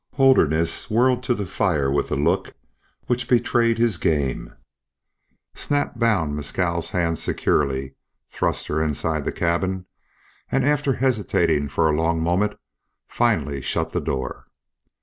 Holderness whirled to the fire with a look which betrayed his game. Snap bound Mescal's hands securely, thrust her inside the cabin, and after hesitating for a long moment, finally shut the door.